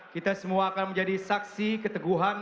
kita semua akan menjadi saksi keteguhan